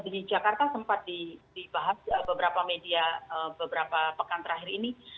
di jakarta sempat dibahas beberapa media beberapa pekan terakhir ini